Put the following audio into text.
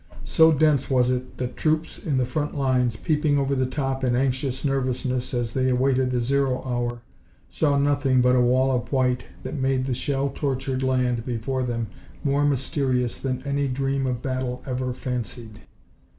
So dense was it that troops in the front lines, peeping over the top in anxious nervousness as they awaited the zero hour, saw nothing but a wall of white that made the shell tortured land before them more mysterious than any dream of battle ever fancied.